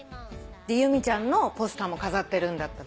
由美ちゃんのポスターも飾ってるんだったらこのままね。